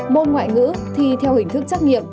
môn ngoại ngữ thi theo hình thức trắc nghiệm